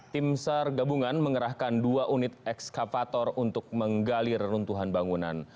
tim sar gabungan mengerahkan dua unit ekskavator untuk menggali reruntuhan bangunan